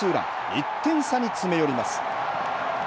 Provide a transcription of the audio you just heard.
１点差に詰め寄ります。